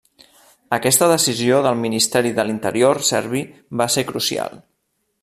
Aquesta decisió del Ministeri de l'Interior serbi va ser crucial.